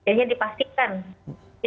karena penyebab penyelesaian itu kadang panik